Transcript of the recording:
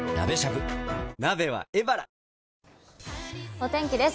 お天気です。